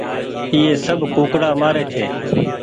ايئي سب ڪوُڪڙآ مآري ڇي